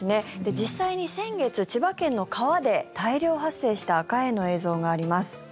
実際に先月、千葉県の川で大量発生したアカエイの映像があります。